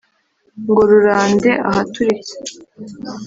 Ngo rurande ahaturitse